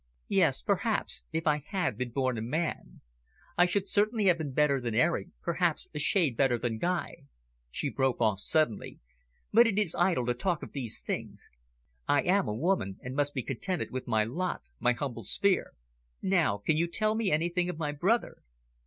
"Yes, perhaps, if I had been born a man. I should certainly have been better than Eric, perhaps a shade better than Guy." She broke off suddenly. "But it is idle to talk of these things. I am a woman, and must be contented with my lot, my humble sphere. Now, can you tell me anything of my brother?"